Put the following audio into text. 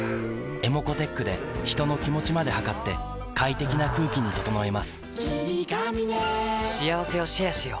ｅｍｏｃｏーｔｅｃｈで人の気持ちまで測って快適な空気に整えます